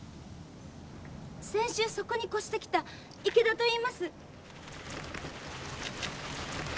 先週そこに越してきたイケダといいます。